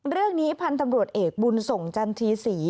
เรื่องนี้พันธุ์ตำรวจเอกบุญส่งจันทีศรี